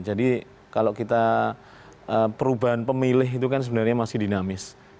jadi kalau kita perubahan pemilih itu kan sebenarnya masih dinamis